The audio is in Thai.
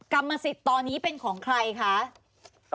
กรรมสิทธิ์ตอนนี้เป็นของใครคะ